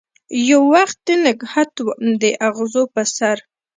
یووختي نګهت وم داغزو په سر